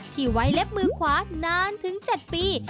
ที่ไว้เล็บมือขวานานถึง๗ปี